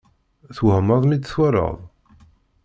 Twehmeḍ mi tt-twalaḍ?